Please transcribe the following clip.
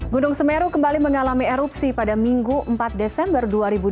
gunung semeru kembali mengalami erupsi pada minggu empat desember dua ribu dua puluh